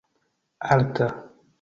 alta